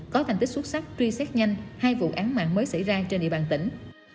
có thành tích xuất sắc truy xét nhanh hai vụ án mạng mới xảy ra trên địa bàn tỉnh